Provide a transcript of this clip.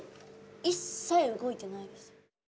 一切動いてないです。